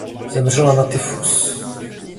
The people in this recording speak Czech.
Zemřela na tyfus.